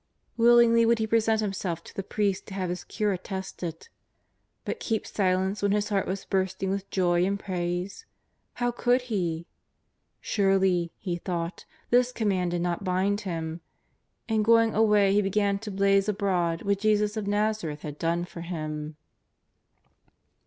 '^ Willingly would he present himself to the priest to have his cure attested. But keep silence when his heart was bursting with joy and praise, how could he ? Surely, he thought, this command did not bind him, and going away he began to blaze abroad what Jesus of [^Tazareth had done for him.